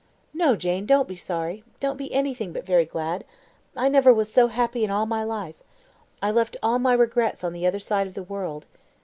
"No, Jane, don't be sorry; don't be anything but very glad. I never was so happy in my life. I left all my regrets on the other side of the world.